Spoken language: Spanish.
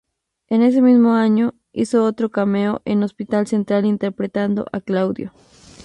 En ese mismo año, hizo otro cameo en "Hospital Central", interpretando a Claudio.